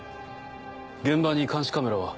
現場に監視カメラは？